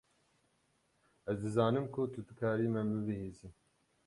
Ez dizanim ku tu dikarî min bibihîsî.